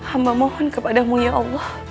hamba mohon kepadamu ya allah